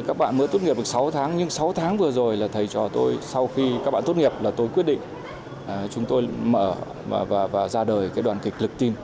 các bạn mới tốt nghiệp được sáu tháng nhưng sáu tháng vừa rồi là thầy trò tôi sau khi các bạn tốt nghiệp là tôi quyết định chúng tôi mở và ra đời đoàn kịch lực tim